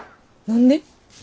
「何で？」